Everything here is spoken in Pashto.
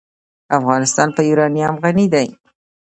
افغانستان په یورانیم غني دی.